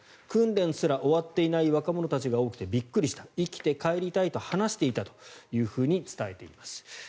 訓練すら終わっていない若者たちが多くてびっくりした生きて帰りたいと話していたと伝えています。